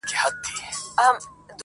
خر غریب هم یوه ورځ په هرها سو!.